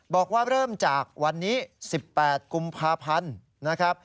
บอกว่าเริ่มจากวันนี้๑๘กุมภาพันธ์นะครับ